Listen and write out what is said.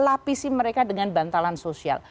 lapisi mereka dengan bantalan sosial